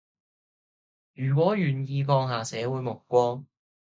如果願意放下社會目光